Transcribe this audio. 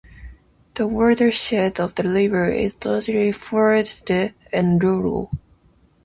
The watershed of the river is largely forested and rural.